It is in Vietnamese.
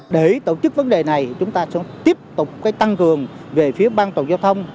để tổ chức vấn đề này chúng ta sẽ tiếp tục tăng cường về phía ban toàn giao thông